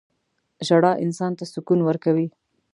• ژړا انسان ته سکون ورکوي.